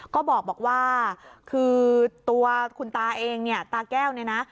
ก็บอกว่าคือตัวคุณตาเองตาเก้านี่น่ะ